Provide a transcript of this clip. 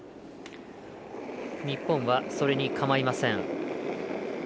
日本は、それに構いません。